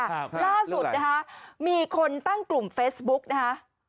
ครับล่าสุดนะคะมีคนตั้งกลุ่มเฟซบุ๊กนะคะ